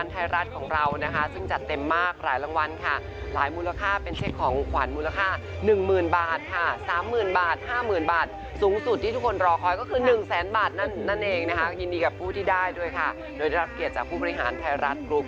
ที่ได้ด้วยค่ะโดยได้รับเกียรติจากผู้บริหารไทยรัฐกรุ๊ป